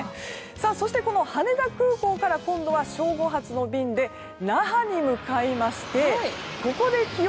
そして、この羽田空港から今度は正午発の便で那覇に向かいます。